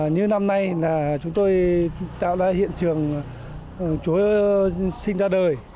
như năm nay là chúng tôi tạo ra hiện trường chúa sinh ra đời